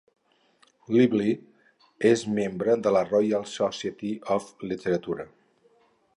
Lively és membre de la Royal Society of Literature.